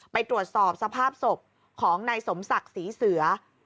ไปตรวจสอบสภาพศพของนายสมศักดิ์ศรีเสือ